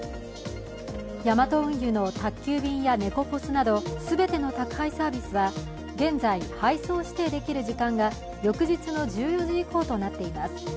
ヤマト運輸の宅急便やネコポスなど全ての宅配サービスは現在、配送指定できる時間が翌日の１４時以降となっています。